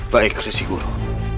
baik resi guru